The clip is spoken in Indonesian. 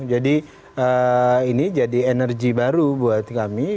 jadi ini jadi energi baru buat kami